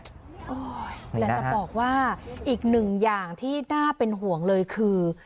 อยากจะบอกว่าอีกหนึ่งอย่างที่น่าเป็นห่วงเลยคือ